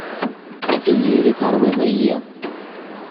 A tiziri terwid-iyi.